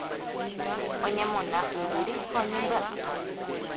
Oñemona yvýre ha oñembyasy.